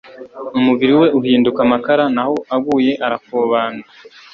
Umubili we uhinduka amakara n'aho aguye arakobana